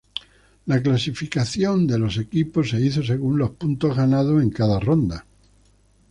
La clasificación de los equipos se hizo según los puntos ganados en cada ronda.